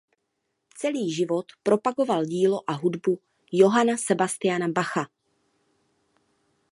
Celý život propagoval dílo a hudbu Johanna Sebastiana Bacha.